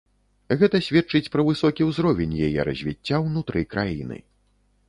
Гэта сведчыць пра высокі ўзровень яе развіцця ўнутры краіны.